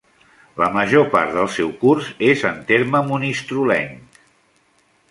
La major part del seu curs és en terme monistrolenc.